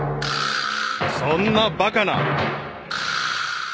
［そんなバカな］